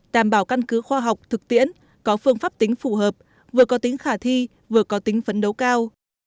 đảm bảo căn cứ khoa học thực tiễn có phương pháp tính phù hợp vừa có tính khả thi vừa có tính phấn đấu cao